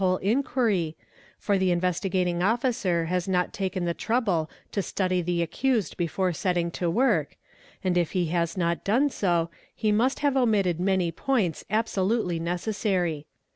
_ whole inquiry, for the Investigating Officer has not taken the trouble to i study the accused before setting to work, and if he has not done so he must have omitted many points absolutely necessary.